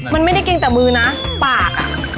มันไม่ได้เกร็งแต่มือปาก